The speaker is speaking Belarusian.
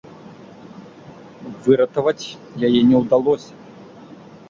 Выратаваць яе не ўдалося.